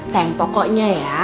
sayang pokoknya ya